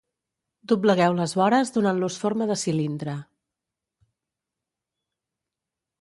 Doblegueu les vores donant-los forma de cilindre